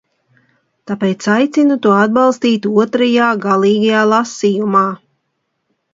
Tāpēc aicinu to atbalstīt otrajā, galīgajā, lasījumā!